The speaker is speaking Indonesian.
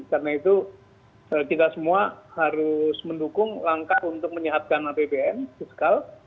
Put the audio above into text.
karena itu kita semua harus mendukung langkah untuk menyehatkan apbn fiskal